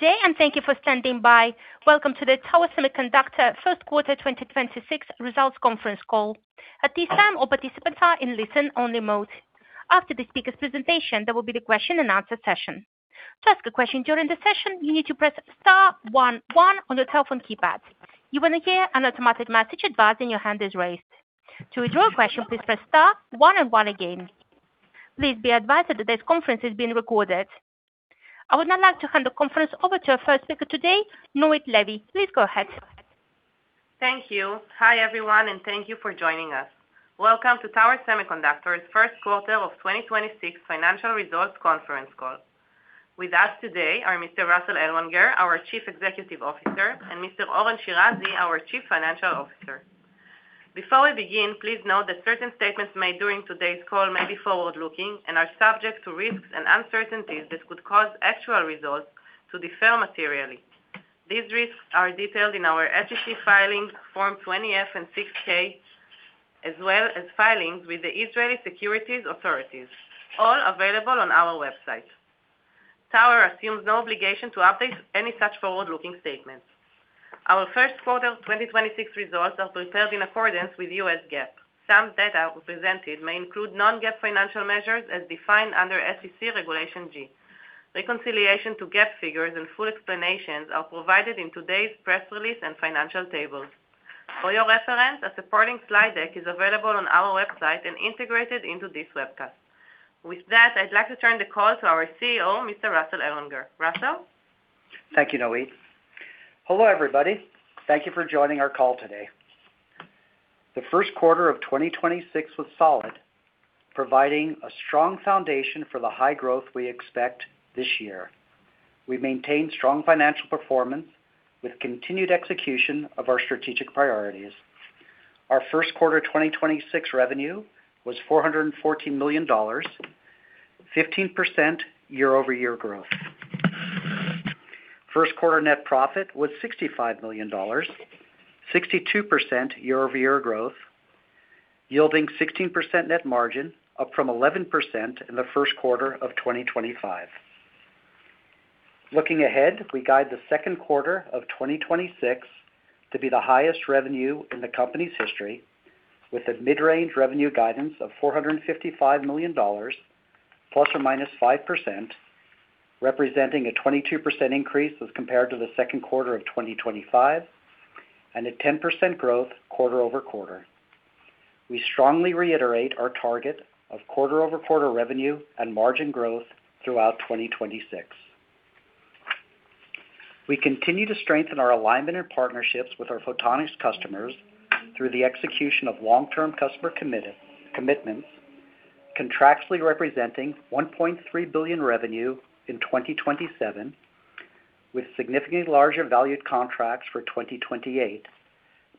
Good day. Thank you for standing by. Welcome to the Tower Semiconductor first quarter 2026 results conference call. At this time, all participants are in listen-only mode. After the speaker's presentation, there will be the question-and-answer session. To ask a question during the session, you need to press star one one on your telephone keypad. You will hear an automatic message advising your hand is raised. To withdraw your question, please press star one and one again. Please be advised that today's conference is being recorded. I would now like to hand the conference over to our first speaker today, Noit Levy. Please go ahead. Thank you. Hi, everyone, and thank you for joining us. Welcome to Tower Semiconductor's first quarter of 2026 financial results conference call. With us today are Mr. Russell Ellwanger, our Chief Executive Officer, and Mr. Oren Shirazi, our Chief Financial Officer. Before we begin, please note that certain statements made during today's call may be forward-looking and are subject to risks and uncertainties that could cause actual results to differ materially. These risks are detailed in our SEC filings, Form 20-F and 6-K, as well as filings with the Israel Securities Authority, all available on our website. Tower assumes no obligation to update any such forward-looking statements. Our first quarter 2026 results are prepared in accordance with U.S. GAAP. Some data presented may include non-GAAP financial measures as defined under SEC Regulation G. Reconciliation to GAAP figures and full explanations are provided in today's press release and financial tables. For your reference, a supporting website is available on our website and integrated into this webcast. With that, I'd like to turn the call to our CEO, Mr. Russell Ellwanger. Russell? Thank you, Noit. Hello, everybody. Thank you for joining our call today. The first quarter of 2026 was solid, providing a strong foundation for the high growth we expect this year. We maintained strong financial performance with continued execution of our strategic priorities. Our first quarter 2026 revenue was $414 million, 15% year-over-year growth. First quarter net profit was $65 million, 62% year-over-year growth, yielding 16% net margin up from 11% in the first quarter of 2025. Looking ahead, we guide the second quarter of 2026 to be the highest revenue in the company's history with a mid-range revenue guidance of $455 million ±5%, representing a 22% increase as compared to the second quarter of 2025 and a 10% growth quarter-over-quarter. We strongly reiterate our target of quarter-over-quarter revenue and margin growth throughout 2026. We continue to strengthen our alignment and partnerships with our photonics customers through the execution of long-term customer commitments, contractually representing $1.3 billion revenue in 2027, with significantly larger valued contracts for 2028,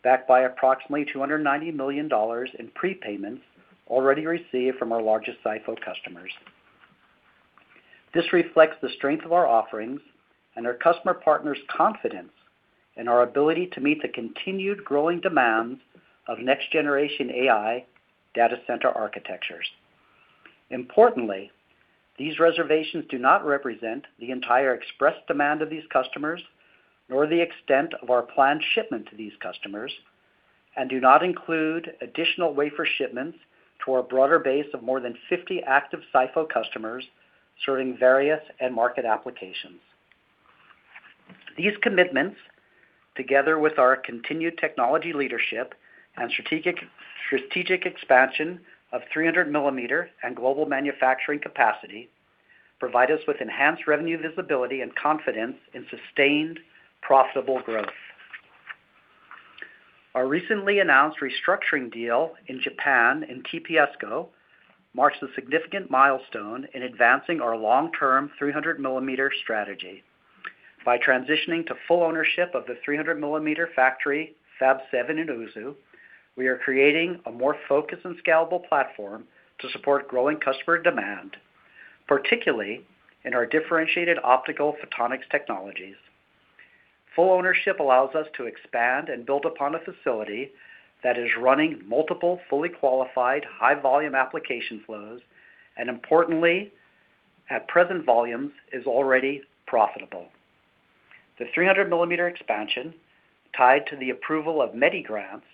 backed by approximately $290 million in prepayments already received from our largest SiPho customers. This reflects the strength of our offerings and our customer partners' confidence in our ability to meet the continued growing demands of next generation AI data center architectures. Importantly, these reservations do not represent the entire expressed demand of these customers, nor the extent of our planned shipment to these customers, and do not include additional wafer shipments to our broader base of more than 50 active SiPho customers serving various end market applications. These commitments, together with our continued technology leadership and strategic expansion of 300 mm and global manufacturing capacity, provide us with enhanced revenue visibility and confidence in sustained profitable growth. Our recently announced restructuring deal in Japan in TPSCo marks a significant milestone in advancing our long-term 300 mm strategy. By transitioning to full ownership of the 300 mm factory Fab 7 in Uozu, we are creating a more focused and scalable platform to support growing customer demand, particularly in our differentiated optical photonics technologies. Full ownership allows us to expand and build upon a facility that is running multiple fully qualified high volume application flows, and importantly, at present volumes is already profitable. The 300 mm expansion tied to the approval of many grants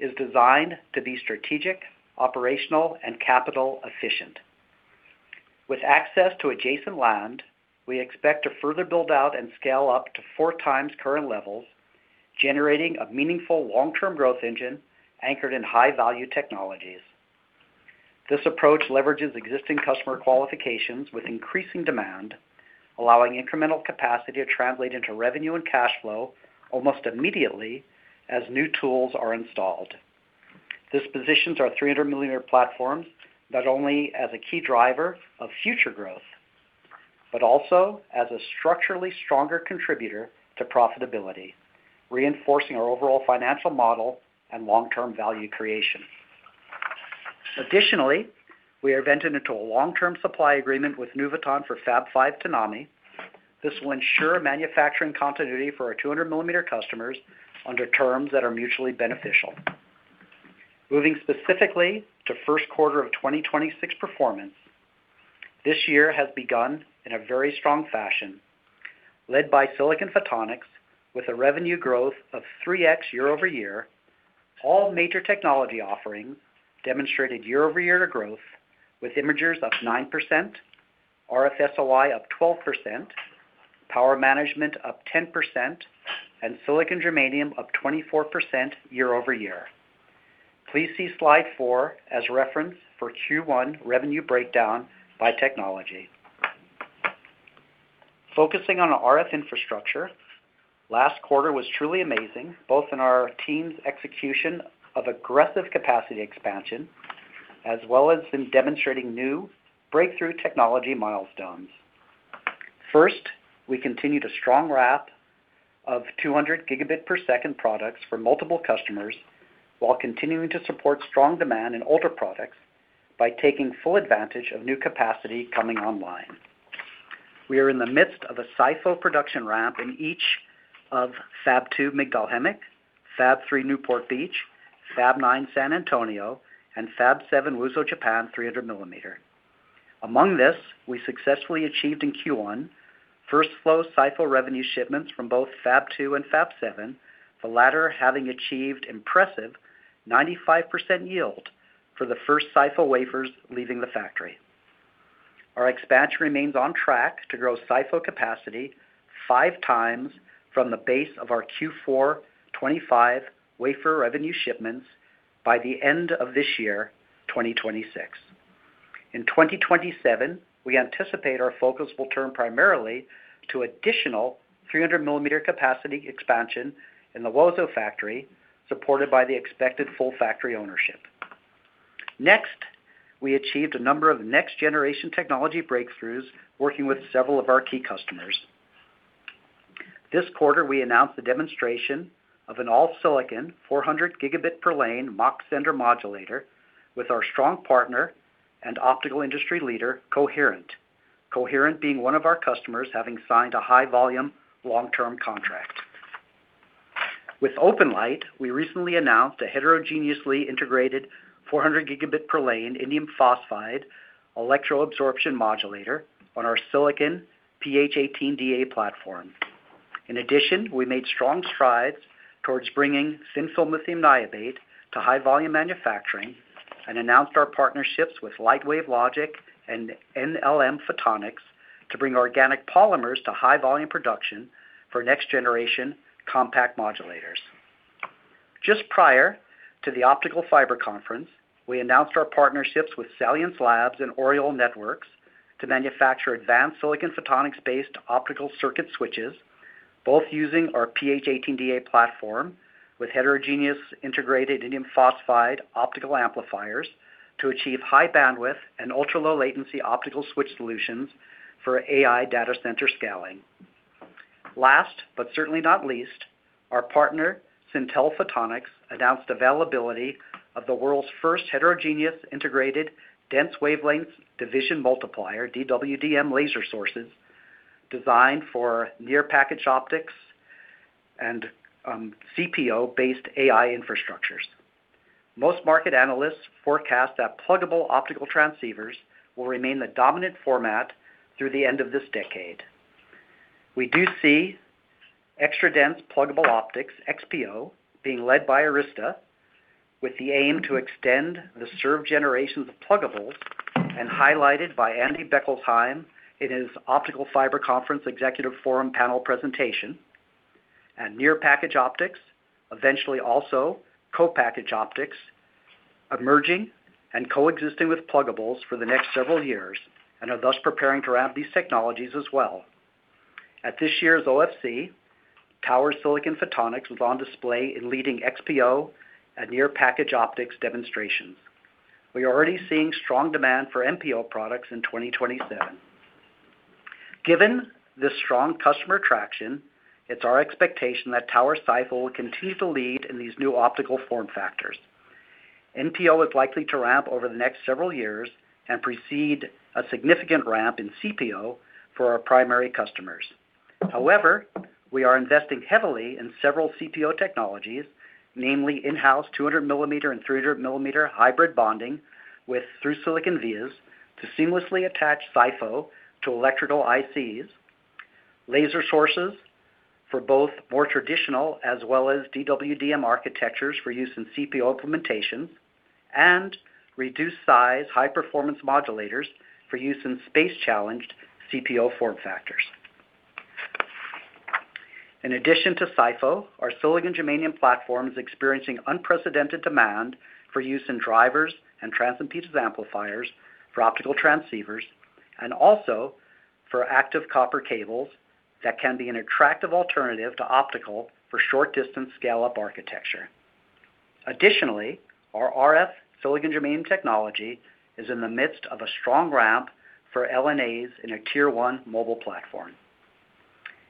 is designed to be strategic, operational, and capital efficient. With access to adjacent land, we expect to further build out and scale up to four times current levels, generating a meaningful long-term growth engine anchored in high-value technologies. This approach leverages existing customer qualifications with increasing demand, allowing incremental capacity to translate into revenue and cash flow almost immediately as new tools are installed. This positions our 300 mm platforms not only as a key driver of future growth, but also as a structurally stronger contributor to profitability, reinforcing our overall financial model and long-term value creation. Additionally, we are entering into a long-term supply agreement with Nuvoton for Fab 5 Tonami. This will ensure manufacturing continuity for our 200 mm customers under terms that are mutually beneficial. Moving specifically to first quarter of 2026 performance, this year has begun in a very strong fashion, led by silicon photonics with a revenue growth of 3x year-over-year. All major technology offerings demonstrated year-over-year growth with imagers up 9%, RF SOI up 12%, power management up 10%, and silicon germanium up 24% year-over-year. Please see slide four as reference for Q1 revenue breakdown by technology. Focusing on RF infrastructure, last quarter was truly amazing, both in our team's execution of aggressive capacity expansion, as well as in demonstrating new breakthrough technology milestones. First, we continued a strong ramp of 200 Gbps products for multiple customers while continuing to support strong demand in older products by taking full advantage of new capacity coming online. We are in the midst of a SiPho production ramp in each of Fab 2 Migdal Haemek, Fab 3 Newport Beach, Fab 9 San Antonio, and Fab 7 Uozu, Japan, 300 mm. Among this, we successfully achieved in Q1 first flow SiPho revenue shipments from both Fab 2 and Fab 7, the latter having achieved impressive 95% yield for the first SiPho wafers leaving the factory. Our expansion remains on track to grow SiPho capacity five times from the base of our Q4 2025 wafer revenue shipments by the end of this year, 2026. In 2027, we anticipate our focus will turn primarily to additional 300 mm capacity expansion in the Uozu factory, supported by the expected full factory ownership. Next, we achieved a number of next-generation technology breakthroughs working with several of our key customers. This quarter, we announced the demonstration of an all-silicon 400 Gb per lane Mach-Zehnder modulator with our strong partner and optical industry leader, Coherent. Coherent being one of our customers having signed a high volume long-term contract. With OpenLight, we recently announced a heterogeneously integrated 400 Gb per lane indium phosphide electro-absorption modulator on our silicon PH18DA platform. In addition, we made strong strides towards bringing thin film lithium niobate to high volume manufacturing and announced our partnerships with Lightwave Logic and NLM Photonics to bring organic polymers to high volume production for next generation compact modulators. Just prior to the Optical Fiber Conference, we announced our partnerships with Salience Labs and Oriole Networks to manufacture advanced silicon photonics-based optical circuit switches, both using our PH18DA platform with heterogeneous integrated indium phosphide optical amplifiers to achieve high bandwidth and ultra-low latency optical switch solutions for AI data center scaling. Last, but certainly not least, our partner, Scintil Photonics, announced availability of the world's first heterogeneous integrated dense wavelength division multiplexer, DWDM laser sources designed for near package optics and CPO-based AI infrastructures. Most market analysts forecast that pluggable optical transceivers will remain the dominant format through the end of this decade. We do see extra dense pluggable optics, XPO, being led by Arista with the aim to extend the served generations of pluggables and highlighted by Andy Bechtolsheim in his Optical Fiber Conference Executive Forum panel presentation and near package optics, eventually also co-package optics, emerging and coexisting with pluggables for the next several years. Are thus preparing to wrap these technologies as well. At this year's OFC, Tower silicon photonics was on display in leading XPO and near package optics demonstrations. We are already seeing strong demand for NPO products in 2027. Given this strong customer traction, it's our expectation that Tower SiPho will continue to lead in these new optical form factors. NPO is likely to ramp over the next several years and precede a significant ramp in CPO for our primary customers. We are investing heavily in several CPO technologies, namely in-house 200 mm and 300 mm hybrid bonding with Through-Silicon Vias to seamlessly attach SiPho to electrical ICs, laser sources for both more traditional as well as DWDM architectures for use in CPO implementations, and reduced size high-performance modulators for use in space-challenged CPO form factors. In addition to SiPho, our silicon germanium platform is experiencing unprecedented demand for use in drivers and transimpedance amplifiers for optical transceivers, and also for active copper cables that can be an attractive alternative to optical for short distance scale-up architecture. Our RF silicon germanium technology is in the midst of a strong ramp for LNAs in a Tier-1 mobile platform.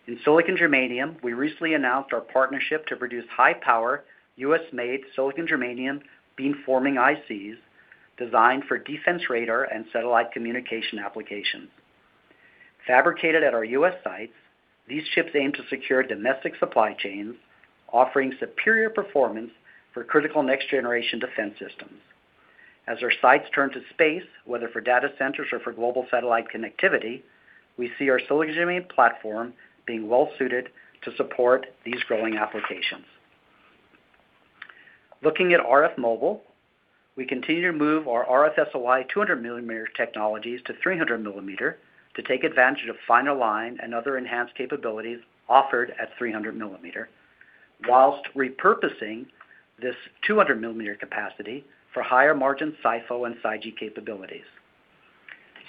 In silicon germanium, we recently announced our partnership to produce high-power U.S.-made silicon germanium beamforming ICs designed for defense radar and satellite communication applications. Fabricated at our U.S. sites, these chips aim to secure domestic supply chains, offering superior performance for critical next generation defense systems. As our sites turn to space, whether for data centers or for global satellite connectivity, we see our silicon image platform being well suited to support these growing applications. Looking at RF mobile, we continue to move our RF SOI 200 mm technologies to 300 mm to take advantage of finer line and other enhanced capabilities offered at 300 mm, whilst repurposing this 200 mm capacity for higher margin SiPho and SiGe capabilities.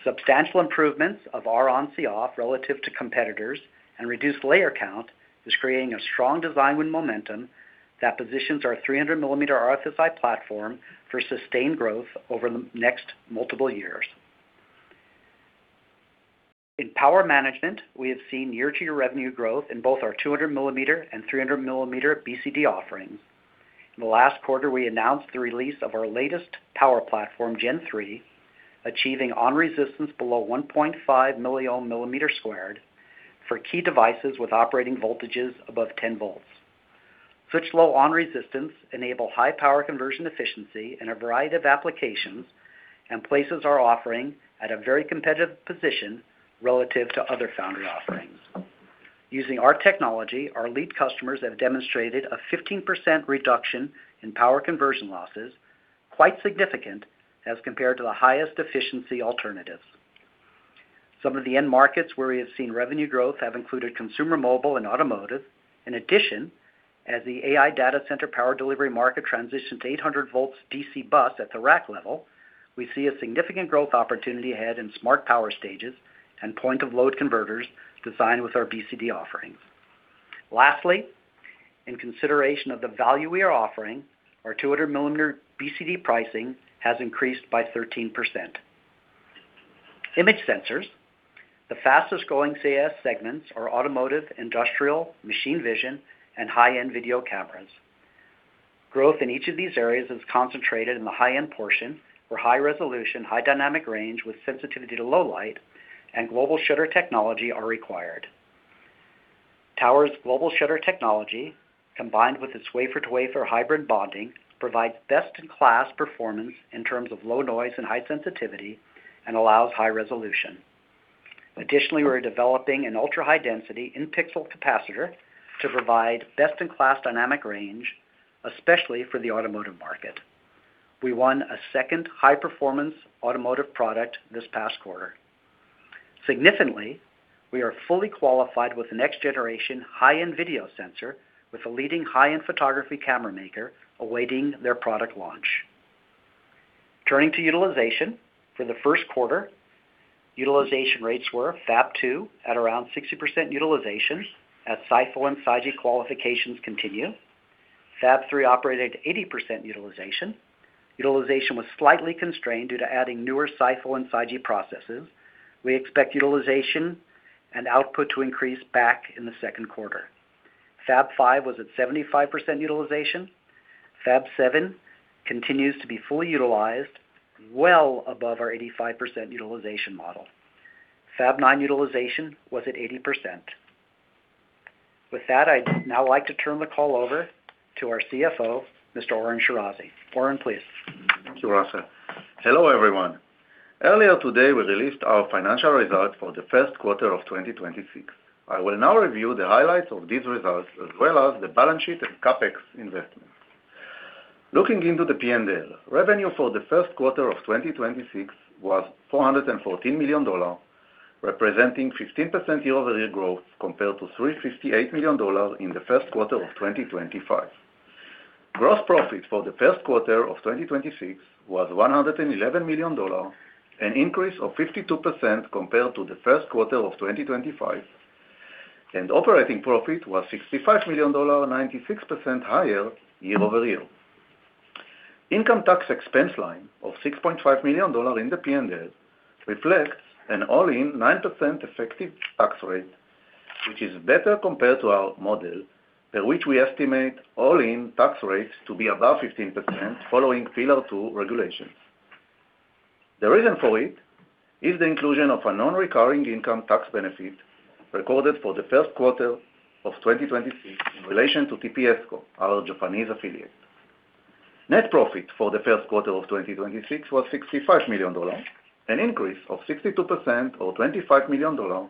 Substantial improvements of our Ron x Coff relative to competitors and reduced layer count is creating a strong design win momentum that positions our 300 mm RF SOI platform for sustained growth over the next multiple years. In power management, we have seen year-to-year revenue growth in both our 200 mm and 300 mm BCD offerings. In the last quarter, we announced the release of our latest power platform, Gen3, achieving on resistance below 1.5 milliohm millimeter squared for key devices with operating voltages above 10 V. Such low on resistance enable high power conversion efficiency in a variety of applications and places our offering at a very competitive position relative to other foundry offerings. Using our technology, our lead customers have demonstrated a 15% reduction in power conversion losses, quite significant as compared to the highest efficiency alternatives. Some of the end markets where we have seen revenue growth have included consumer mobile and automotive. In addition, as the AI data center power delivery market transitions to 800 V DC bus at the rack level, we see a significant growth opportunity ahead in smart power stages and point of load converters designed with our BCD offerings. Lastly, in consideration of the value we are offering, our 200 mm BCD pricing has increased by 13%. Image sensors. The fastest-growing CIS segments are automotive, industrial, machine vision, and high-end video cameras. Growth in each of these areas is concentrated in the high-end portion, where high resolution, high dynamic range with sensitivity to low light, and global shutter technology are required. Tower's global shutter technology, combined with its wafer-to-wafer hybrid bonding, provides best-in-class performance in terms of low noise and high sensitivity and allows high resolution. Additionally, we're developing an ultra-high density in-pixel capacitor to provide best-in-class dynamic range, especially for the automotive market. We won a second high-performance automotive product this past quarter. Significantly, we are fully qualified with the next generation high-end video sensor with a leading high-end photography camera maker awaiting their product launch. Turning to utilization. For the first quarter, utilization rates were Fab 2 at around 60% utilization as SiPho and SiGe qualifications continue. Fab 3 operated at 80% utilization. Utilization was slightly constrained due to adding newer SiPho and SiGe processes. We expect utilization and output to increase back in the second quarter. Fab 5 was at 75% utilization. Fab 7 continues to be fully utilized, well above our 85% utilization model. Fab 9 utilization was at 80%. With that, I'd now like to turn the call over to our CFO, Mr. Oren Shirazi. Oren, please. Thank you, Russell. Hello, everyone. Earlier today, we released our financial results for the first quarter of 2026. I will now review the highlights of these results as well as the balance sheet and CapEx investments. Looking into the P&L, revenue for the first quarter of 2026 was $414 million, representing 15% year-over-year growth compared to $358 million in the first quarter of 2025. Gross profit for the first quarter of 2026 was $111 million, an increase of 52% compared to the first quarter of 2025. Operating profit was $65 million, 96% higher year-over-year. Income tax expense line of $6.5 million in the P&L reflects an all-in 9% effective tax rate, which is better compared to our model, by which we estimate all-in tax rates to be above 15% following Pillar Two regulations. The reason for it is the inclusion of a non-recurring income tax benefit recorded for the first quarter of 2026 in relation to TPSCo, our Japanese affiliate. Net profit for the first quarter of 2026 was $65 million, an increase of 62% or $25 million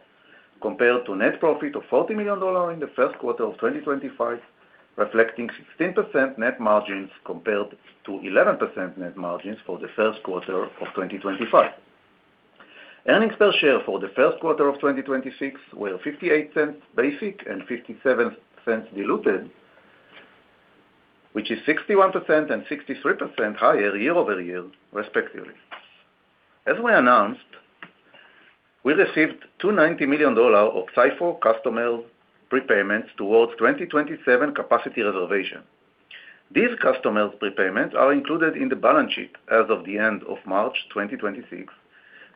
compared to net profit of $40 million in the first quarter of 2025, reflecting 16% net margins compared to 11% net margins for the first quarter of 2025. Earnings per share for the first quarter of 2026 were $0.58 basic and $0.57 diluted, which is 61% and 63% higher year-over-year, respectively. As we announced, we received $290 million of SiPho customer prepayments towards 2027 capacity reservation. These customer prepayments are included in the balance sheet as of the end of March 2026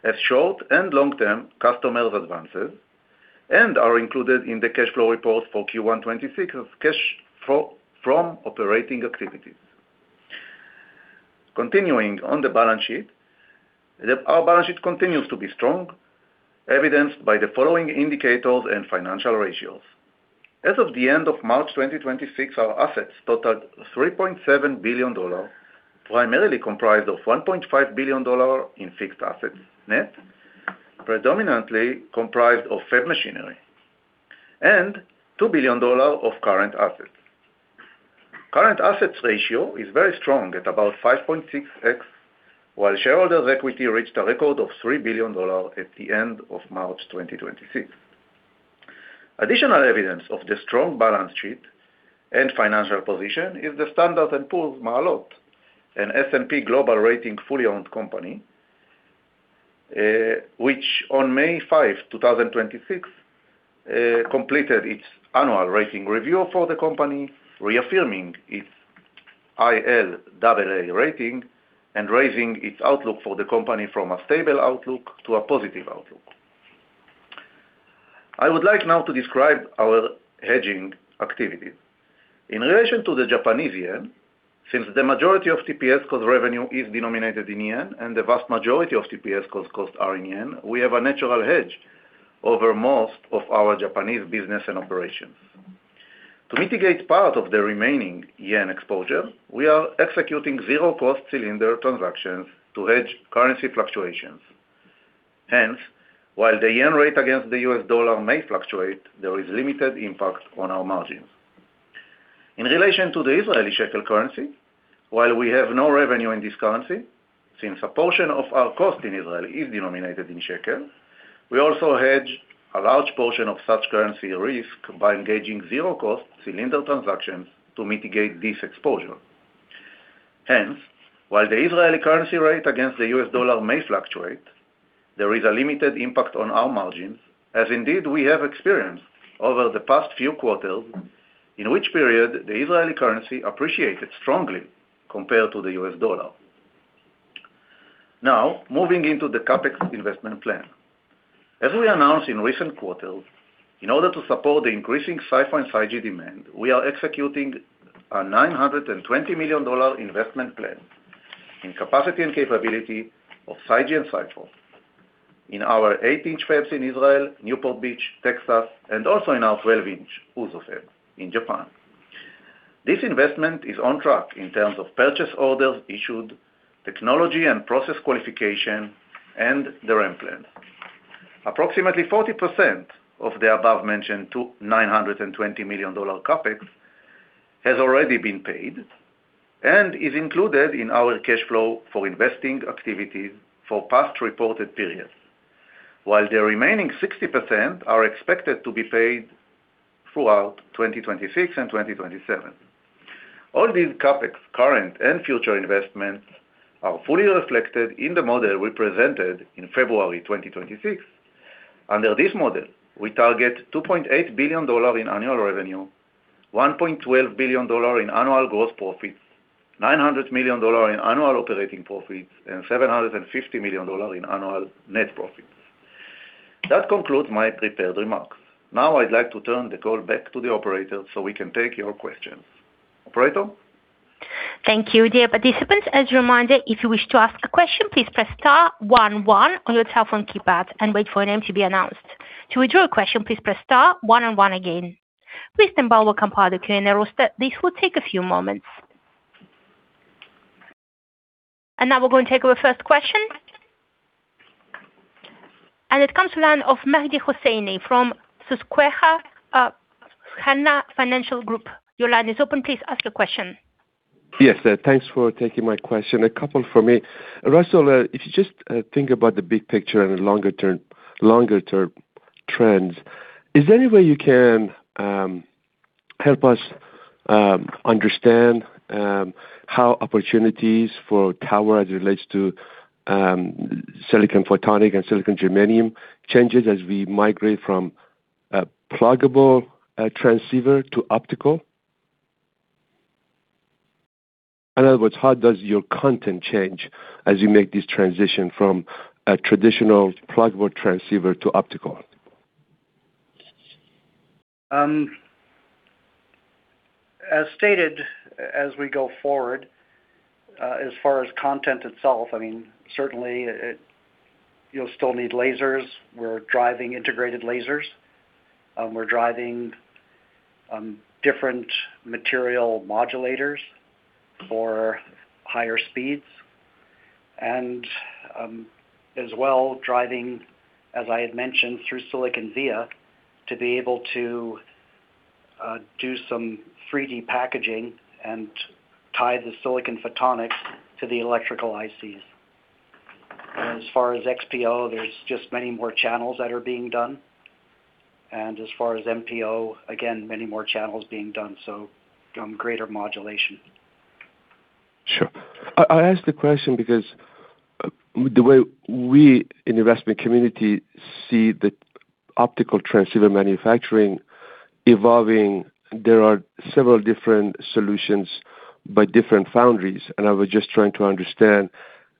as short and long-term customer advances and are included in the cash flow report for Q1 2026 as cash from operating activities. Continuing on the balance sheet, our balance sheet continues to be strong, evidenced by the following indicators and financial ratios. As of the end of March 2026, our assets totaled $3.7 billion, primarily comprised of $1.5 billion in fixed assets net, predominantly comprised of fab machinery, and $2 billion of current assets. Current assets ratio is very strong at about 5.6x, while shareholders' equity reached a record of $3 billion at the end of March 2026. Additional evidence of the strong balance sheet and financial position is the Standard & Poor Maalot an S&P Global Rating fully owned company, which on May 5, 2026, completed its annual rating review for the company, reaffirming its ilAA rating and raising its outlook for the company from a stable outlook to a positive outlook. I would like now to describe our hedging activity. In relation to the Japanese yen, since the majority of TPSCo's revenue is denominated in yen, and the vast majority of TPSCo's costs are in yen, we have a natural hedge over most of our Japanese business and operations. To mitigate part of the remaining yen exposure, we are executing zero-cost cylinder transactions to hedge currency fluctuations. While the yen rate against the U.S. dollar may fluctuate, there is limited impact on our margins. In relation to the Israeli shekel currency, while we have no revenue in this currency, since a portion of our cost in Israel is denominated in shekels, we also hedge a large portion of such currency risk by engaging zero-cost cylinder transactions to mitigate this exposure. While the Israeli currency rate against the U.S. dollar may fluctuate, there is a limited impact on our margins, as indeed we have experienced over the past few quarters, in which period the Israeli currency appreciated strongly compared to the U.S. dollar. Moving into the CapEx investment plan. As we announced in recent quarters, in order to support the increasing SiPho and SiGe demand, we are executing a $920 million investment plan in capacity and capability of SiGe and SiPho in our 8 in fabs in Israel, Newport Beach, Texas, and also in our 12 in Uozu fab in Japan. This investment is on track in terms of purchase orders issued, technology and process qualification, and the ramp plan. Approximately 40% of the above-mentioned $920 million CapEx has already been paid and is included in our cash flow for investing activities for past reported periods. While the remaining 60% are expected to be paid throughout 2026 and 2027. All these CapEx, current and future investments, are fully reflected in the model we presented in February 2026. Under this model, we target $2.8 billion in annual revenue, $1.12 billion in annual gross profits, $900 million in annual operating profits, and $750 million in annual net profits. That concludes my prepared remarks. I'd like to turn the call back to the operator so we can take your questions. Operator? Thank you. Dear participants, as a reminder, if you wish to ask a question, please press star one one on your telephone keypad and wait for your name to be announced. To withdraw a question, please press star one and one again. Please stand by while we compile the Q&A roster. This will take a few moments. Now we're going to take our first question. It comes to line of Mehdi Hosseini from Susquehanna Financial Group. Your line is open. Please ask your question. Yes. Thanks for taking my question. A couple from me. Russell, if you just think about the big picture and longer term trends, is there any way you can help us understand how opportunities for Tower as it relates to silicon photonics and silicon germanium changes as we migrate from a pluggable transceiver to optical? In other words, how does your content change as you make this transition from a traditional pluggable transceiver to optical? As stated, as we go forward, as far as content itself, I mean, certainly, you'll still need lasers. We're driving integrated lasers. We're driving different material modulators for higher speeds. As well, driving, as I had mentioned, Through-Silicon Via to be able to do some 3D packaging and tie the silicon photonics to the electrical ICs. As far as XPO, there's just many more channels that are being done. As far as MPO, again, many more channels being done, so greater modulation. Sure. I asked the question because the way we in the investment community see the optical transceiver manufacturing evolving, there are several different solutions by different foundries, and I was just trying to understand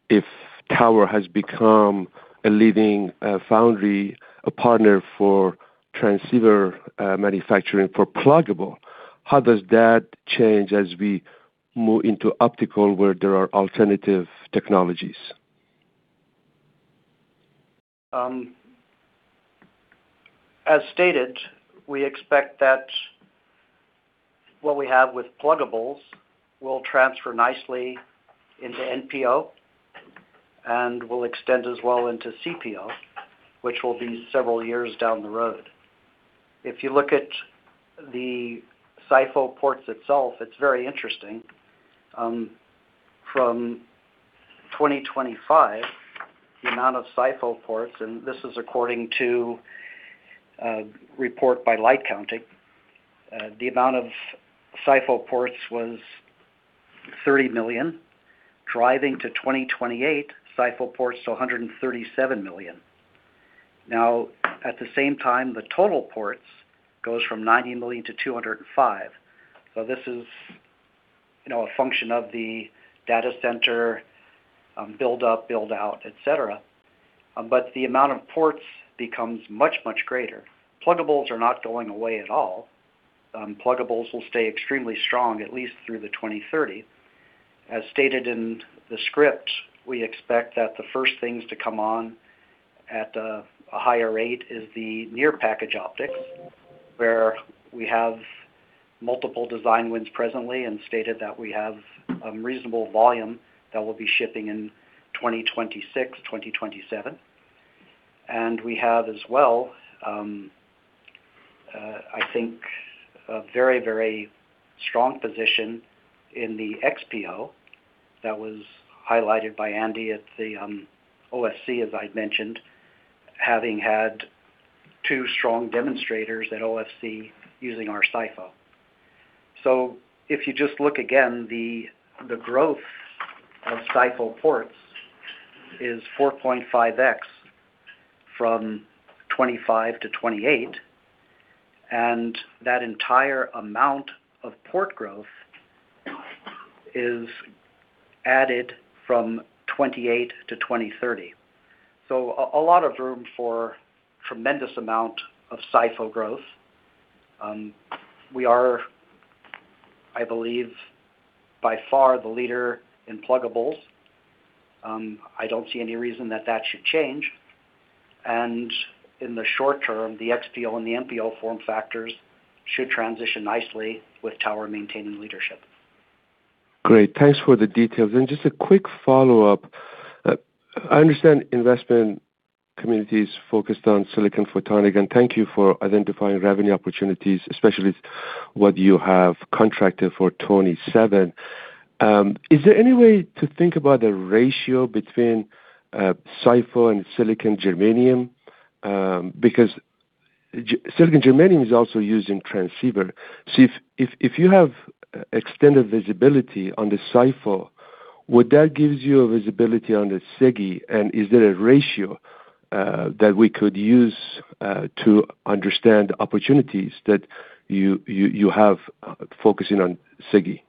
if Tower has become a leading foundry, a partner for transceiver manufacturing for pluggable. How does that change as we move into optical where there are alternative technologies? As stated, we expect that what we have with pluggables will transfer nicely into NPO and will extend as well into CPO, which will be several years down the road. If you look at the SiPhO ports itself, it's very interesting. From 2025, the amount of SiPhO ports, and this is according to a report by LightCounting, the amount of SiPhO ports was 30 million, driving to 2028 SiPhO ports to 137 million. At the same time, the total ports goes from 90 million to 205. This is, you know, a function of the data center, build-up, build-out, et cetera. The amount of ports becomes much, much greater. Pluggables are not going away at all. Pluggables will stay extremely strong at least through the 2030. As stated in the script, we expect that the first things to come on at a higher rate is the near package optics, where we have multiple design wins presently and stated that we have a reasonable volume that will be shipping in 2026, 2027. We have as well, I think a very strong position in the XPO that was highlighted by Andy at the OFC, as I mentioned, having had two strong demonstrators at OFC using our SiPho. If you just look again, the growth of SiPho ports is 4.5x from 2025 to 2028, and that entire amount of port growth is added from 2028 to 2030. We are, I believe, by far the leader in pluggables. I don't see any reason that that should change. In the short term, the XPO and the MPO form factors should transition nicely with Tower maintaining leadership. Great. Thanks for the details. Just a quick follow-up. I understand investment community is focused on silicon photonics, and thank you for identifying revenue opportunities, especially what you have contracted for 2027. Is there any way to think about the ratio between SiPho and silicon germanium? Because silicon germanium is also used in transceiver. If you have extended visibility on the SiPho, would that gives you a visibility on the SiGe, and is there a ratio that we could use to understand opportunities that you have focusing on SiGe?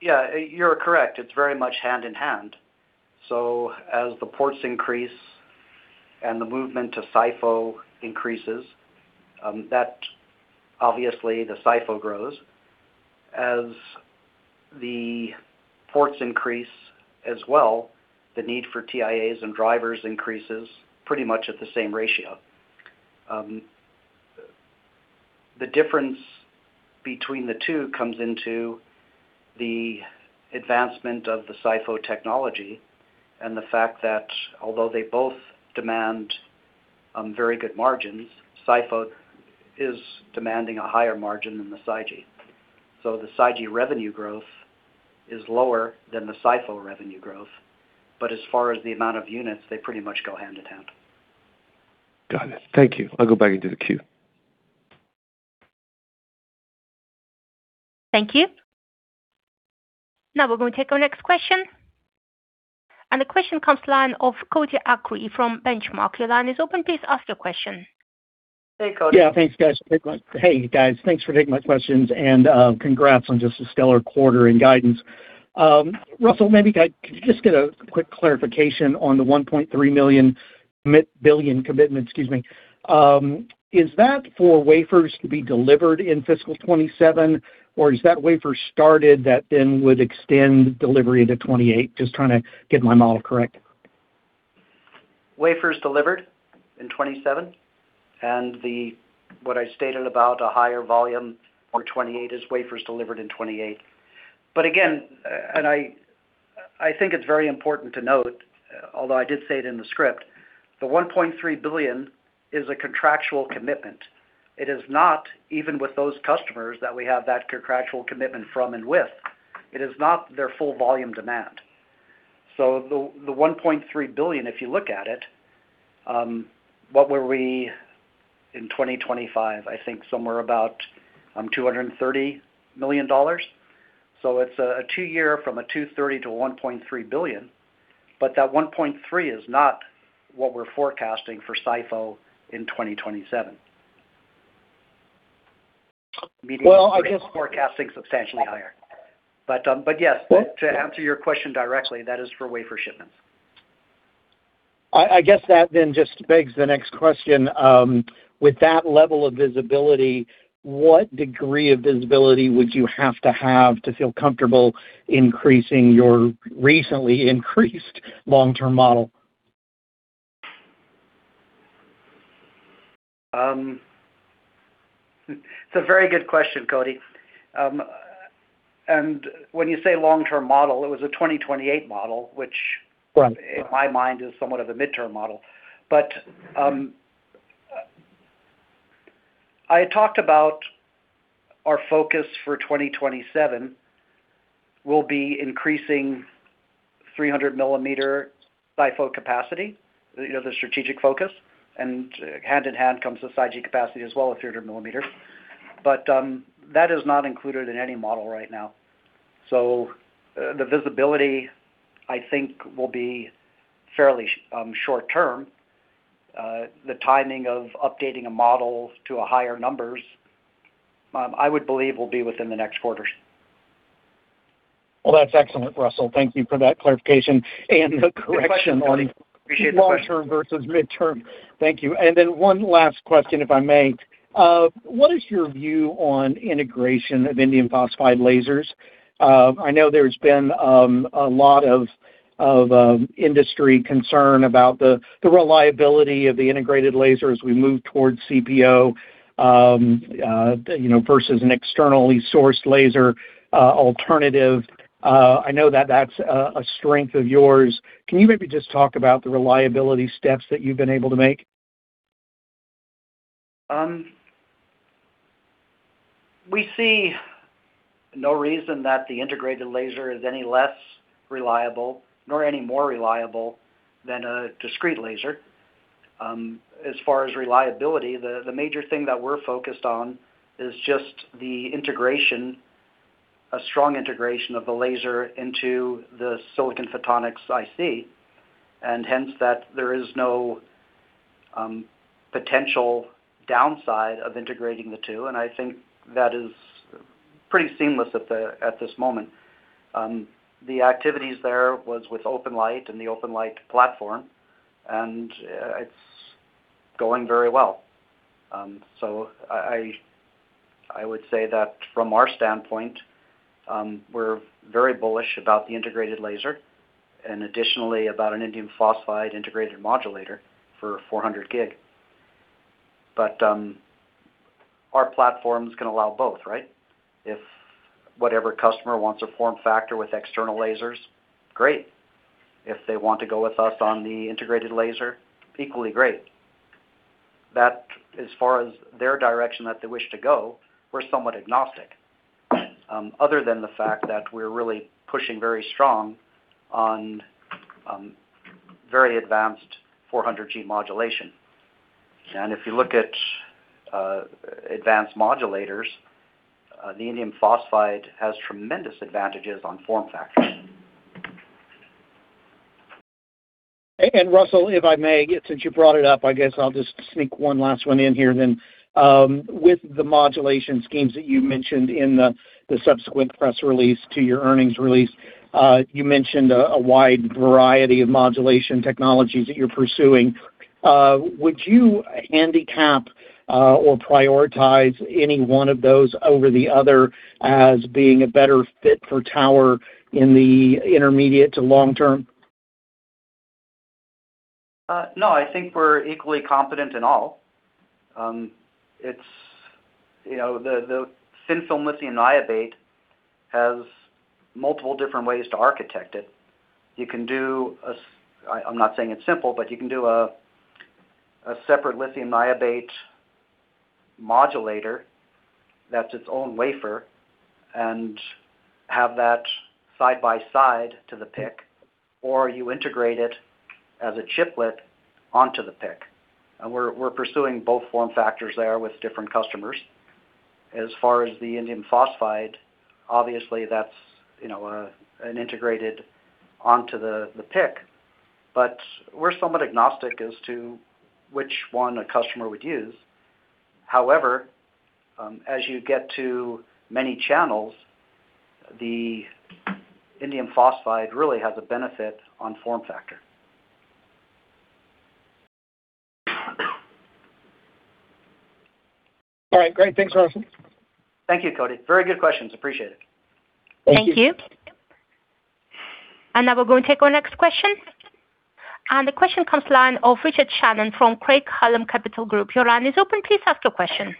Yeah, you're correct. It's very much hand in hand. As the ports increase and the movement to SiPho increases, that obviously the SiPho grows. As the ports increase as well, the need for TIAs and drivers increases pretty much at the same ratio. The difference between the two comes into the advancement of the SiPho technology and the fact that although they both demand very good margins, SiPho is demanding a higher margin than the SiGe. The SiGe revenue growth is lower than the SiPho revenue growth. As far as the amount of units, they pretty much go hand in hand. Got it. Thank you. I'll go back into the queue. Thank you. Now we're going to take our next question, the question comes to line of Cody Acree from Benchmark. Your line is open. Please ask your question. Hey, Cody. Yeah. Thanks, guys. Hey, guys. Thanks for taking my questions and congrats on just a stellar quarter and guidance. Russell, maybe could I just get a quick clarification on the $1.3 billion commitment. Excuse me. Is that for wafers to be delivered in fiscal 2027, or is that wafers started that then would extend delivery to 2028? Just trying to get my model correct. Wafers delivered in 2027. The, what I stated about a higher volume for 2028 is wafers delivered in 2028. Again, I think it's very important to note, although I did say it in the script, the $1.3 billion is a contractual commitment. It is not even with those customers that we have that contractual commitment from and with. It is not their full volume demand. The $1.3 billion, if you look at it, what were we in 2025? I think somewhere about $230 million. It's a two year from a $230 million to a $1.3 billion. That $1.3 billion is not what we're forecasting for SiPho in 2027. Well. Forecasting substantially higher. Yes, to answer your question directly, that is for wafer shipments. I guess that then just begs the next question. With that level of visibility, what degree of visibility would you have to have to feel comfortable increasing your recently increased long-term model? It's a very good question, Cody. When you say long-term model, it was a 2028 model. Right. In my mind is somewhat of a midterm model. I talked about our focus for 2027 will be increasing 300 mm SiPho capacity, you know, the strategic focus, and hand in hand comes the SiGe capacity as well with 300 mm. That is not included in any model right now. The visibility, I think, will be fairly short term. The timing of updating a model to higher numbers, I would believe will be within the next quarters. Well, that's excellent, Russell. Thank you for that clarification and the correction on- Good question, Cody. Appreciate the question. Long term versus midterm. Thank you. Then one last question, if I may. What is your view on integration of indium phosphide lasers? I know there's been a lot of industry concern about the reliability of the integrated laser as we move towards CPO, you know, versus an externally sourced laser alternative. I know that that's a strength of yours. Can you maybe just talk about the reliability steps that you've been able to make? We see no reason that the integrated laser is any less reliable nor any more reliable than a discrete laser. As far as reliability, the major thing that we're focused on is just the integration, a strong integration of the laser into the silicon photonics IC. Hence, that there is no potential downside of integrating the two, and I think that is pretty seamless at this moment. The activities there was with OpenLight and the OpenLight platform, it's going very well. I would say that from our standpoint, we're very bullish about the integrated laser and additionally about an indium phosphide integrated modulator for 400 G. Our platforms can allow both, right? If whatever customer wants a form factor with external lasers, great. If they want to go with us on the integrated laser, equally great. That as far as their direction that they wish to go, we're somewhat agnostic, other than the fact that we're really pushing very strong on very advanced 400 G modulation. If you look at advanced modulators, the indium phosphide has tremendous advantages on form factor. Russell, if I may, since you brought it up, I guess I'll just sneak one last one in here then. With the modulation schemes that you mentioned in the subsequent press release to your earnings release, you mentioned a wide variety of modulation technologies that you're pursuing. Would you handicap, or prioritize any one of those over the other as being a better fit for Tower in the intermediate to long term? No, I think we're equally competent in all. It's, you know, the thin film lithium niobate has multiple different ways to architect it. I'm not saying it's simple, but you can do a separate lithium niobate modulator that's its own wafer and have that side by side to the PIC, or you integrate it as a chiplet onto the PIC. We're pursuing both form factors there with different customers. As far as the indium phosphide, obviously that's, you know, an integrated onto the PIC. We're somewhat agnostic as to which one a customer would use. However, as you get to many channels, the indium phosphide really has a benefit on form factor. All right, great. Thanks, Russell. Thank you, Cody. Very good questions. Appreciate it. Thank you. Thank you. Now we're going to take our next question. The question comes line of Richard Shannon from Craig-Hallum Capital Group. Your line is open. Please ask your question.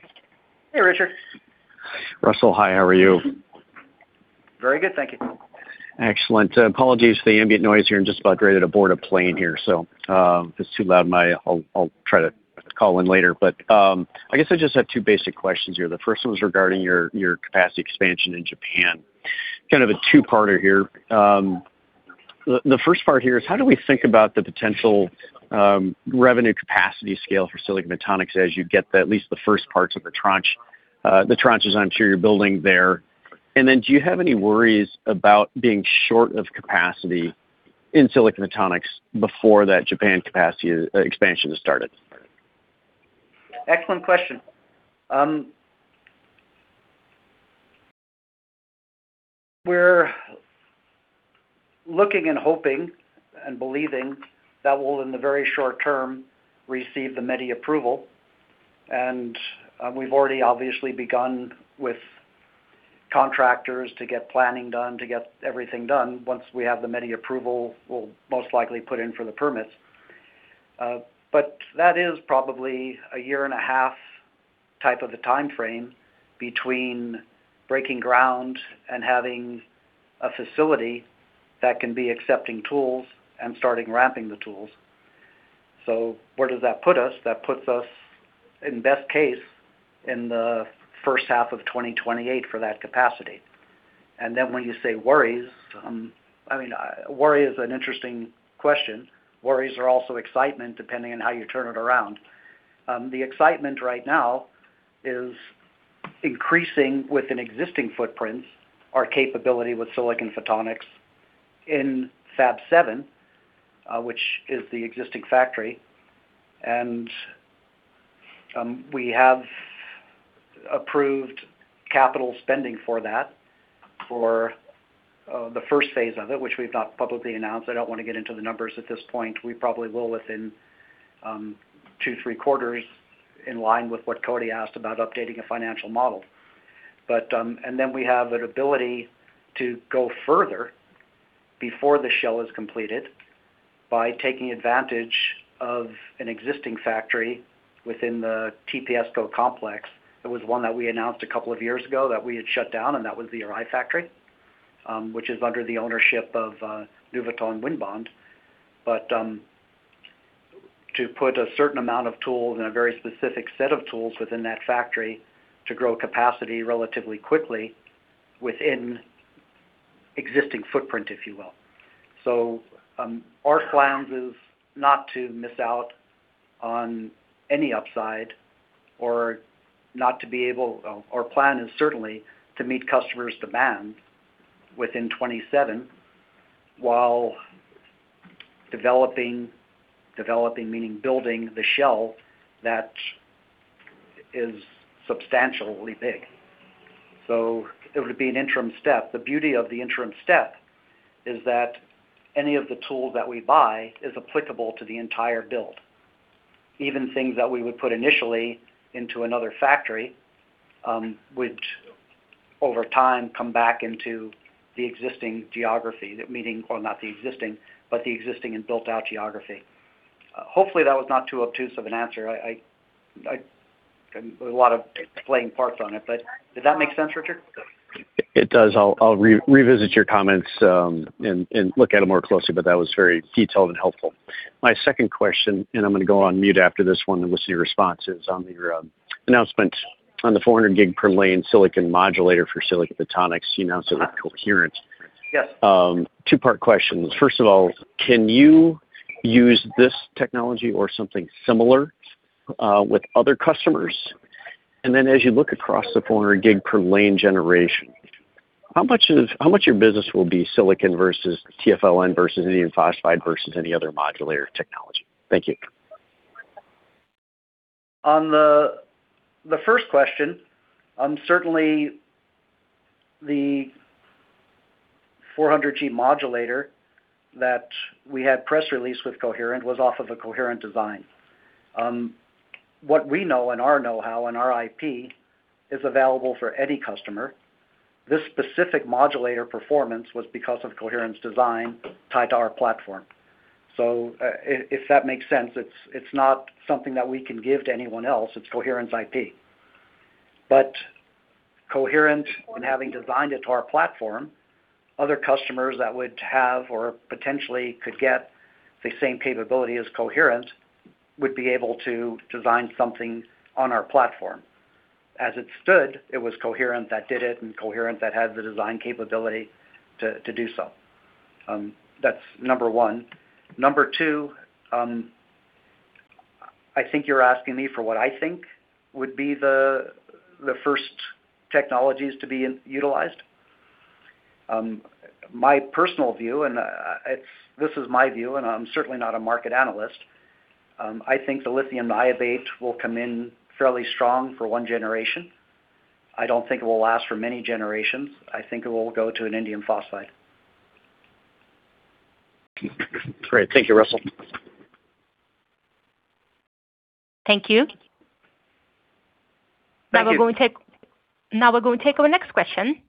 Hey, Richard. Russell, hi, how are you? Very good, thank you. Excellent. Apologies for the ambient noise here. I'm just about ready to board a plane here. If it's too loud, I'll try to call in later. I guess I just have two basic questions here. The first one was regarding your capacity expansion in Japan. Kind of a two-parter here. The first part here is how do we think about the potential revenue capacity scale for silicon photonics as you get the, at least the first parts of the tranche, the tranches I'm sure you're building there. Do you have any worries about being short of capacity in silicon photonics before that Japan capacity expansion has started. Excellent question. We're looking and hoping and believing that we'll, in the very short term, receive the METI approval. We've already obviously begun with contractors to get planning done, to get everything done. Once we have the METI approval, we'll most likely put in for the permits. That is probably a year and a half type of a timeframe between breaking ground and having a facility that can be accepting tools and starting ramping the tools. Where does that put us? That puts us, in best case, in the first half of 2028 for that capacity. When you say worries, I mean, worry is an interesting question. Worries are also excitement, depending on how you turn it around. The excitement right now is increasing with an existing footprint, our capability with silicon photonics in Fab 7, which is the existing factory. We have approved capital spending for that for the first phase of it, which we've not publicly announced. I don't wanna get into the numbers at this point. We probably will within two, three quarters in line with what Cody asked about updating a financial model. Then we have an ability to go further before the shell is completed by taking advantage of an existing factory within the TPSCo complex. It was one that we announced a couple of years ago that we had shut down, and that was the Arai factory, which is under the ownership of Nuvoton Winbond. To put a certain amount of tools and a very specific set of tools within that factory to grow capacity relatively quickly within existing footprint, if you will. Our plans is not to miss out on any upside or not Our plan is certainly to meet customers' demand within 2027 while developing meaning building the shell that is substantially big. It would be an interim step. The beauty of the interim step is that any of the tools that we buy is applicable to the entire build. Even things that we would put initially into another factory, would over time come back into the existing geography. Well, not the existing, but the existing and built-out geography. Hopefully, that was not too obtuse of an answer. A lot of explaining parts on it, but did that make sense, Richard? It does. I'll revisit your comments and look at them more closely, but that was very detailed and helpful. My second question, and I'm gonna go on mute after this one and we'll see your responses, on your announcement on the 400 G per lane silicon modulator for silicon photonics you announced with Coherent. Yes. Two part questions. First of all, can you use this technology or something similar with other customers? As you look across the 400 G per lane generation, how much of your business will be silicon versus TFLN versus indium phosphide versus any other modulator technology? Thank you. On the first question, certainly the 400 G modulator that we had press release with Coherent was off of a Coherent design. What we know and our know-how and our IP is available for any customer. This specific modulator performance was because of Coherent's design tied to our platform. If that makes sense, it's not something that we can give to anyone else. It's Coherent's IP. Coherent, in having designed it to our platform, other customers that would have or potentially could get the same capability as Coherent would be able to design something on our platform. As it stood, it was Coherent that did it and Coherent that had the design capability to do so. That's number one. Number two, I think you're asking me for what I think would be the first technologies to be utilized. My personal view, and this is my view, and I'm certainly not a market analyst. I think the lithium niobate will come in fairly strong for one generation. I don't think it will last for many generations. I think it will go to an indium phosphide. Great. Thank you, Russell. Thank you. Thank you. Now we're going to take our next question,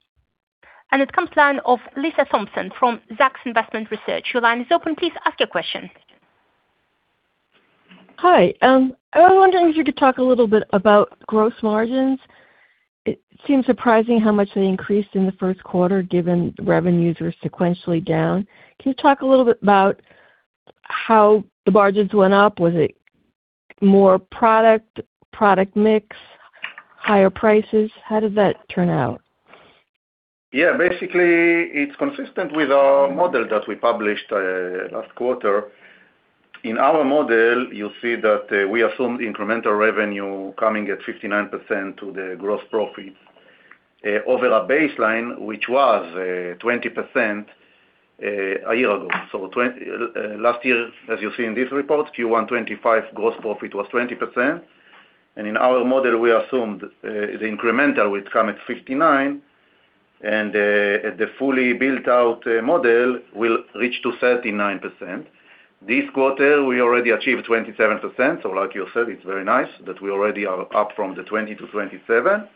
It comes line of Lisa Thompson from Zacks Investment Research. Your line is open. Please ask your question. Hi. I was wondering if you could talk a little bit about gross margins. It seems surprising how much they increased in the first quarter, given revenues were sequentially down. Can you talk a little bit about how the margins went up? Was it more product mix, higher prices? How did that turn out? Yeah. Basically, it's consistent with our model that we published, last quarter. In our model, you'll see that we assumed incremental revenue coming at 59% to the gross profits over a baseline, which was 20% a year ago. Last year, as you see in this report, Q1 2025 gross profit was 20%. In our model, we assumed the incremental will come at 59%, and the fully built out model will reach to 39%. This quarter, we already achieved 27%. Like you said, it's very nice that we already are up from the 20%-27%.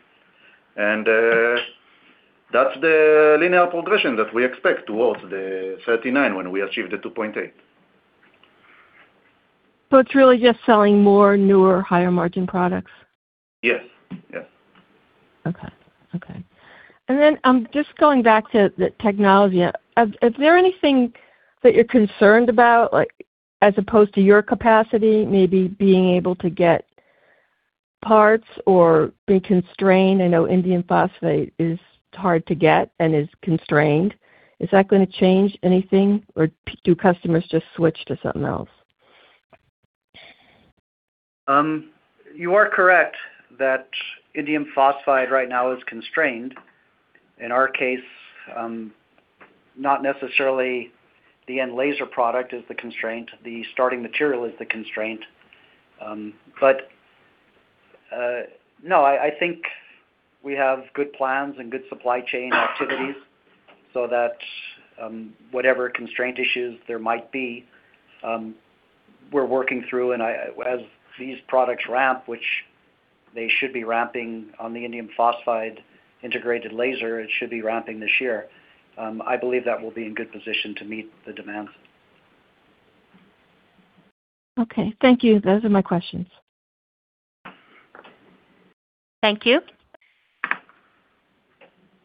That's the linear progression that we expect towards the 39% when we achieve the 2.8. It's really just selling more newer higher margin products. Yes. Yes. Okay. Okay. Just going back to the technology. Is there anything that you're concerned about, like as opposed to your capacity maybe being able to get parts or being constrained? I know indium phosphide is hard to get and is constrained. Is that gonna change anything or do customers just switch to something else? You are correct that indium phosphide right now is constrained. In our case, not necessarily the end laser product is the constraint, the starting material is the constraint. No, I think we have good plans and good supply chain activities so that whatever constraint issues there might be, we're working through. As these products ramp, which they should be ramping on the indium phosphide integrated laser, it should be ramping this year, I believe that we'll be in good position to meet the demand. Okay. Thank you. Those are my questions. Thank you.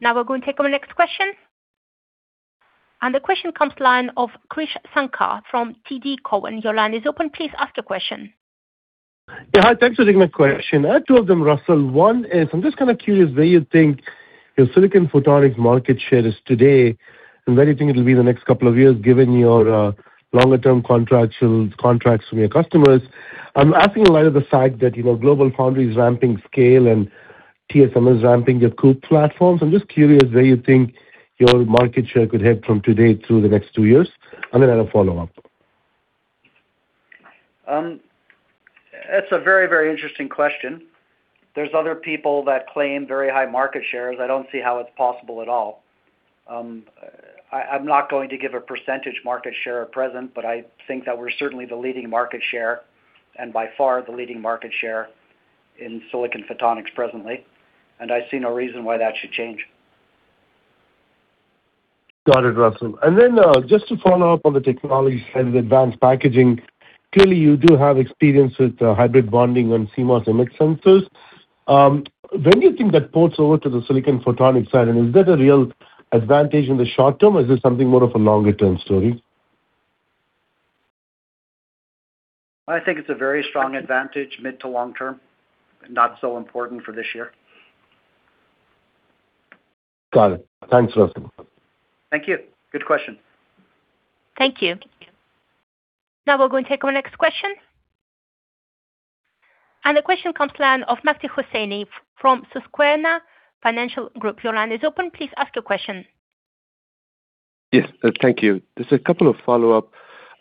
Now we're going to take our next question. The question comes line of Krish Sankar from TD Cowen. Your line is open. Please ask your question. Yeah. Hi, thanks for taking my question. I have two of them, Russell. One is, I'm just kind of curious where you think your silicon photonic market share is today, and where do you think it'll be in the next couple of years, given your longer term contractual contracts with your customers. I'm asking in light of the fact that, you know, GlobalFoundries is ramping scale and TSMC is ramping their COUPE platforms. I'm just curious where you think your market share could head from today through the next two years. Then I have a follow-up. That's a very, very interesting question. There's other people that claim very high market shares. I don't see how it's possible at all. I'm not going to give a percentage market share at present, but I think that we're certainly the leading market share, and by far the leading market share in silicon photonics presently. I see no reason why that should change. Got it, Russell. Just to follow up on the technology side of advanced packaging. Clearly, you do have experience with hybrid bonding on CMOS image sensors. When do you think that ports over to the silicon photonic side? Is that a real advantage in the short term or is this something more of a longer term story? I think it's a very strong advantage mid to long term. Not so important for this year. Got it. Thanks, Russell. Thank you. Good question. Thank you. Now we're going to take our next question. The question comes line of Mehdi Hosseini from Susquehanna Financial Group. Your line is open. Please ask your question. Yes. Thank you. Just a couple of follow-up.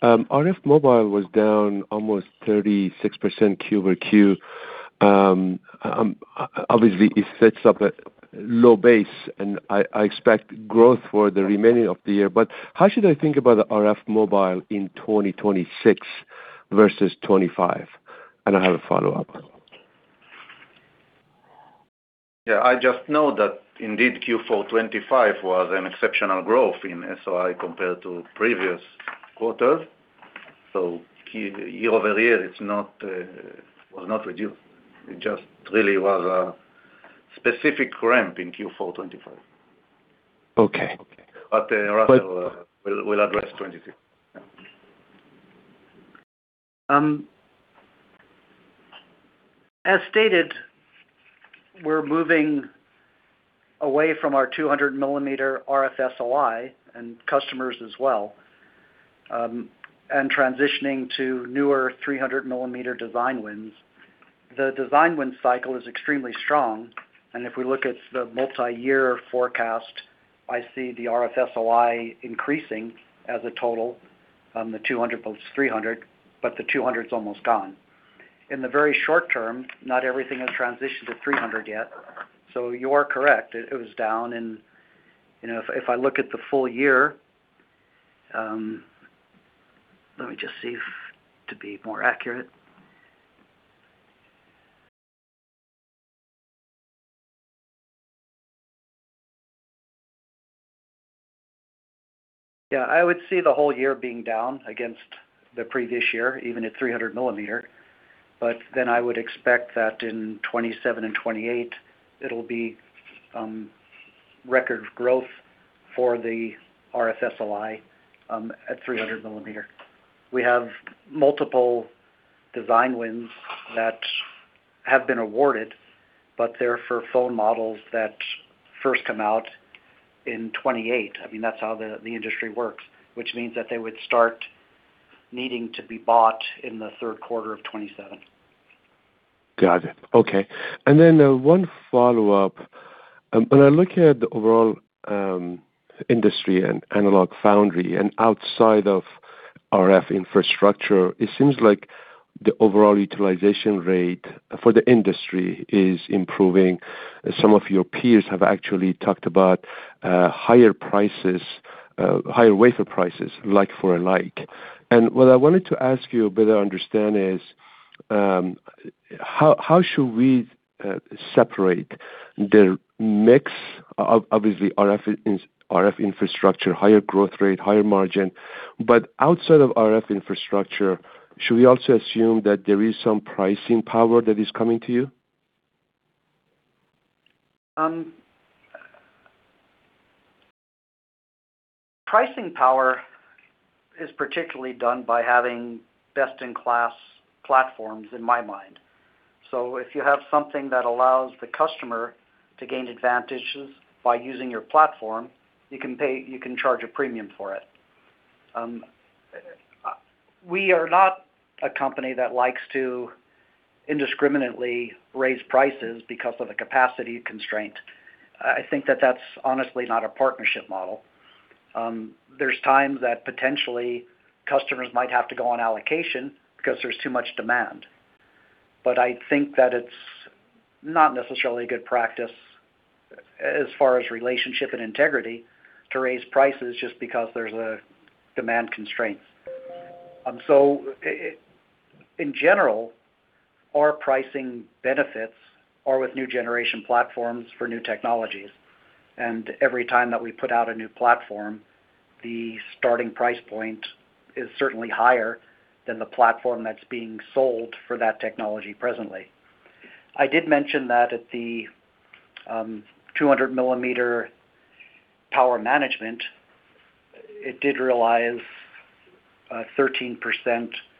RF mobile was down almost 36% quarter-over-quarter. Obviously it sets up a low base, and I expect growth for the remaining of the year. How should I think about the RF mobile in 2026 versus 2025? I have a follow-up. Yeah. I just know that indeed Q4 25 was an exceptional growth in SOI compared to previous quarters. Year-over-year, it's not was not reduced. It just really was a specific ramp in Q4 25. Okay. Russell will address 2026. Yeah. As stated, we're moving away from our 200 mm RF SOI and customers as well, transitioning to newer 300 mm design wins. The design win cycle is extremely strong, and if we look at the multi-year forecast, I see the RF SOI increasing as a total on the 200 mm versus 300 mm, but the 200's almost gone. In the very short term, not everything has transitioned to 300 mm yet. You are correct, it was down and, you know, if I look at the full year. Let me just see if to be more accurate, yeah, I would see the whole year being down against the previous year, even at 300 mm. I would expect that in 2027 and 2028 it'll be record growth for the RF SOI at 300 mm. We have multiple design wins that have been awarded, but they're for phone models that first come out in 2028. I mean, that's how the industry works, which means that they would start needing to be bought in the third quarter of 2027. Got it. Okay. One follow-up. When I look at the overall industry and analog foundry and outside of RF infrastructure, it seems like the overall utilization rate for the industry is improving. Some of your peers have actually talked about higher prices, higher wafer prices, like for like. What I wanted to ask you, a better understand is, how should we separate the mix of obviously RF infrastructure, higher growth rate, higher margin. Outside of RF infrastructure, should we also assume that there is some pricing power that is coming to you? Pricing power is particularly done by having best-in-class platforms, in my mind. If you have something that allows the customer to gain advantages by using your platform, you can charge a premium for it. We are not a company that likes to indiscriminately raise prices because of a capacity constraint. I think that that's honestly not a partnership model. There's times that potentially customers might have to go on allocation because there's too much demand. I think that it's not necessarily a good practice as far as relationship and integrity to raise prices just because there's a demand constraint. In general, our pricing benefits are with new generation platforms for new technologies. Every time that we put out a new platform, the starting price point is certainly higher than the platform that's being sold for that technology presently. I did mention that at the 200 mm power management, it did realize a 13%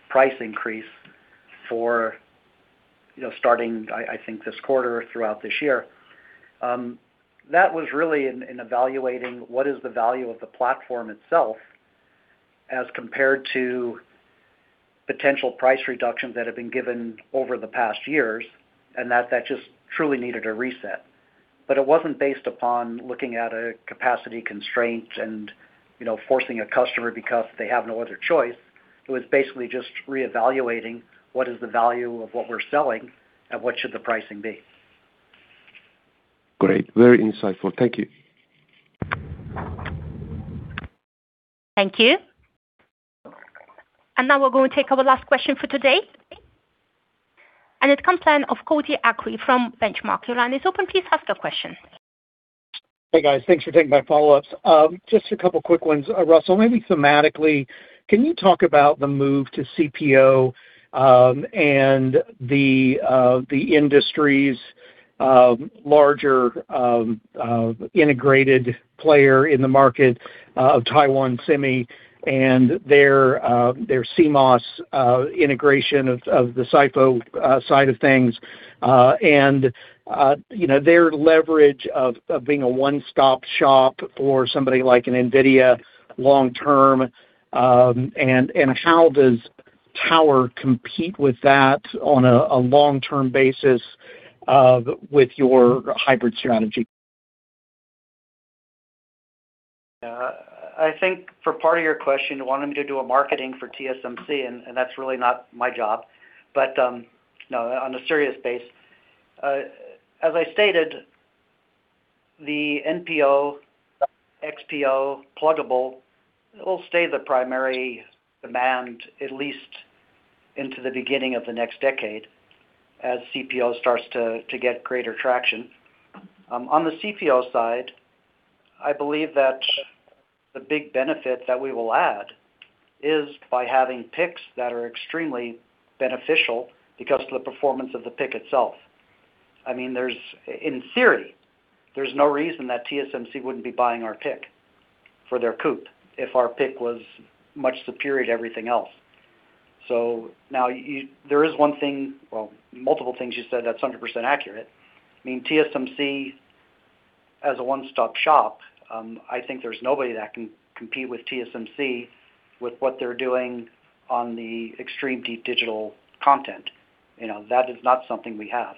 price increase for, you know, starting, I think this quarter or throughout this year. That was really in evaluating what is the value of the platform itself as compared to potential price reductions that have been given over the past years, and that just truly needed a reset. It wasn't based upon looking at a capacity constraint and, you know, forcing a customer because they have no other choice. It was basically just reevaluating what is the value of what we're selling and what should the pricing be. Great. Very insightful. Thank you. Thank you. Now we're going to take our last question for today. It comes in of Cody Acree from Benchmark. Your line is open. Please ask your question. Hey, guys. Thanks for taking my follow-ups. Just a couple of quick ones. Russell, maybe thematically, can you talk about the move to CPO and the industry's larger integrated player in the market of Taiwan Semi and their CMOS integration of the SiPho side of things, and you know, their leverage of being a one-stop shop for somebody like an NVIDIA long term, and how does Tower compete with that on a long-term basis with your hybrid strategy? Yeah. I think for part of your question, you want me to do a marketing for TSMC, and that's really not my job. No, on a serious base, as I stated, the NPO, XPO pluggable will stay the primary demand, at least into the beginning of the next decade, as CPO starts to get greater traction. On the CPO side, I believe that the big benefit that we will add is by having PICs that are extremely beneficial because of the performance of the PIC itself. I mean, in theory, there's no reason that TSMC wouldn't be buying our PIC for their CoWoS if our PIC was much superior to everything else. Now there is one thing, well, multiple things you said that's 100% accurate. I mean, TSMC as a one-stop shop, I think there's nobody that can compete with TSMC with what they're doing on the extreme deep digital content. You know, that is not something we have.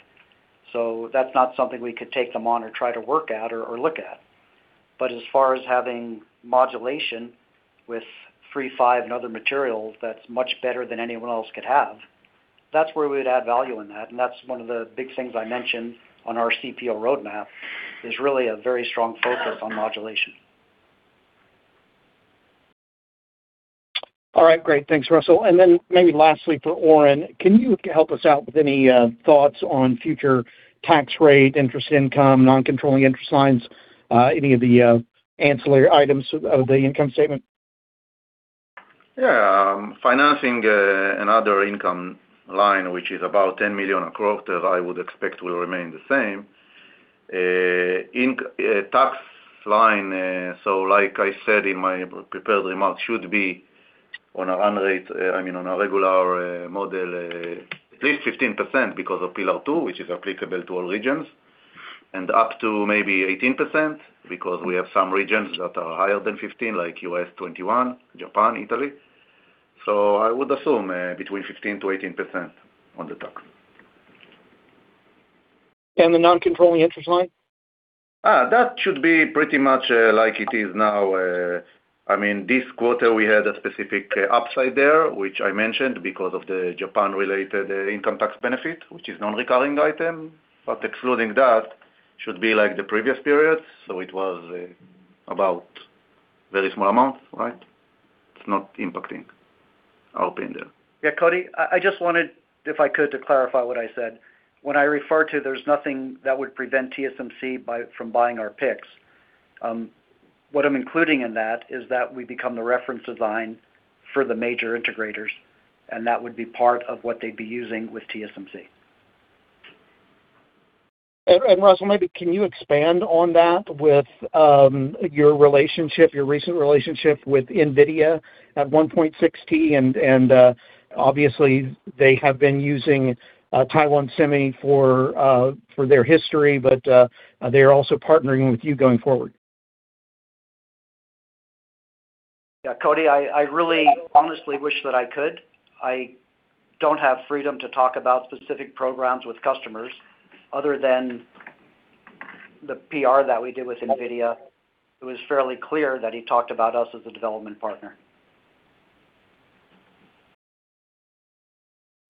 That's not something we could take them on or try to work at or look at. As far as having modulation with three, five and other material that's much better than anyone else could have, that's where we would add value in that. That's one of the big things I mentioned on our CPO roadmap, is really a very strong focus on modulation. All right. Great. Thanks, Russell. Then maybe lastly for Oren, can you help us out with any thoughts on future tax rate, interest income, non-controlling interest lines, any of the ancillary items of the income statement? Financing, another income line, which is about $10 million across that I would expect will remain the same. Tax line, like I said in my prepared remarks, should be on a run rate, I mean, on a regular model, at least 15% because of Pillar Two, which is applicable to all regions, and up to maybe 18% because we have some regions that are higher than 15%, like U.S. 21%, Japan, Italy. I would assume between 15%-18% on the tax. The non-controlling interest line? That should be pretty much like it is now. I mean, this quarter we had a specific upside there, which I mentioned because of the Japan-related income tax benefit, which is non-recurring item. Excluding that should be like the previous period, so it was about very small amount, right? It's not impacting our opinion. Cody, I just wanted, if I could, to clarify what I said. When I refer to there's nothing that would prevent TSMC from buying our PICs, what I'm including in that is that we become the reference design for the major integrators, and that would be part of what they'd be using with TSMC. Russell, maybe can you expand on that with your relationship, your recent relationship with NVIDIA at 1.6 T and obviously they have been using Taiwan Semi for their history, but they're also partnering with you going forward? Yeah. Cody, I really honestly wish that I could. I don't have freedom to talk about specific programs with customers other than the PR that we did with NVIDIA. It was fairly clear that he talked about us as a development partner.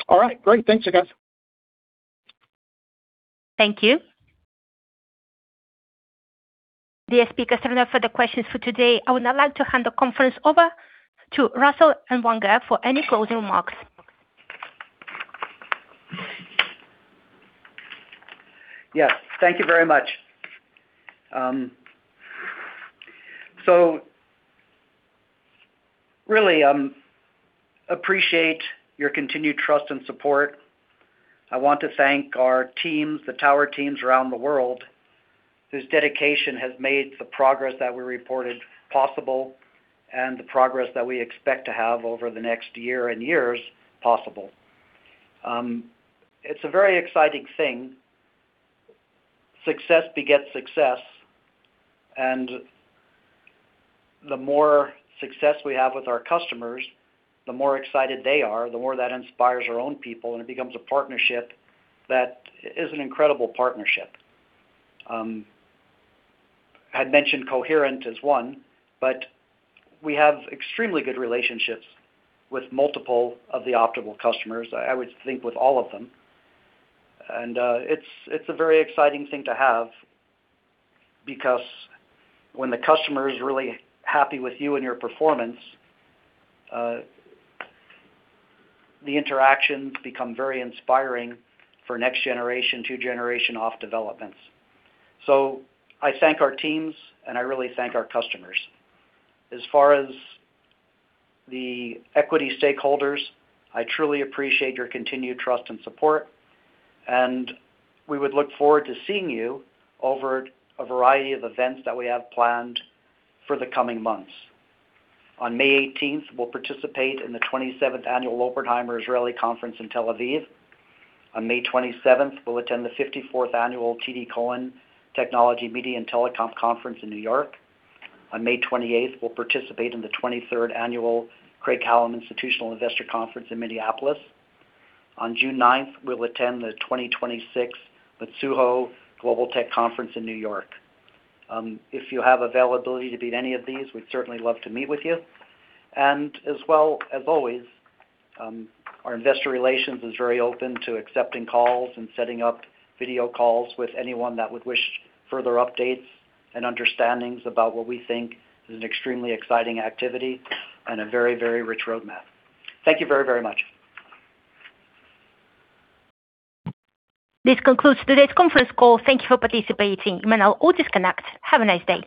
All right. Great. Thanks, you guys. Thank you. The speakers are done for the questions for today. I would now like to hand the conference over to Russell Ellwanger for any closing remarks. Yes. Thank you very much. Really, appreciate your continued trust and support. I want to thank our teams, the Tower teams around the world, whose dedication has made the progress that we reported possible and the progress that we expect to have over the next year and years possible. It's a very exciting thing. Success begets success, the more success we have with our customers, the more excited they are, the more that inspires our own people, and it becomes a partnership that is an incredible partnership. I'd mentioned Coherent as one, but we have extremely good relationships with multiple of the optical customers. I would think with all of them. It's a very exciting thing to have because when the customer is really happy with you and your performance, the interactions become very inspiring for next generation, two generation off developments. I thank our teams, and I really thank our customers. As far as the equity stakeholders, I truly appreciate your continued trust and support, and we would look forward to seeing you over a variety of events that we have planned for the coming months. On May 18th, we'll participate in the 27th Annual Oppenheimer Israeli Conference in Tel Aviv. On May 27th, we'll attend the 54th Annual TD Cowen Technology Media and Telecom Conference in New York. On May 28th, we'll participate in the 23rd Annual Craig-Hallum Institutional Investor Conference in Minneapolis. On June 9th, we'll attend the 2026 Mitsui Global Tech Conference in New York. If you have availability to be at any of these, we'd certainly love to meet with you. As well, as always, our investor relations is very open to accepting calls and setting up video calls with anyone that would wish further updates and understandings about what we think is an extremely exciting activity and a very, very rich roadmap. Thank you very, very much. This concludes today's conference call. Thank you for participating. You may now all disconnect. Have a nice day.